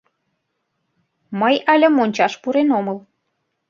Мый але мончаш пурен омыл.